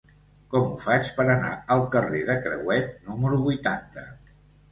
Com ho faig per anar al carrer de Crehuet número vuitanta?